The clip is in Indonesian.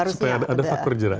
supaya ada faktor jerak